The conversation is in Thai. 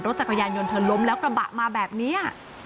จักรยานยนต์เธอล้มแล้วกระบะมาแบบนี้